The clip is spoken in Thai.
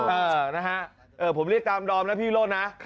เออนะฮะผมเรียกตามดอมแล้วพี่วิโรธนะ